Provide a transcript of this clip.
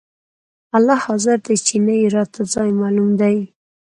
الله حاضر دى چې نه يې راته ځاى معلوم دى.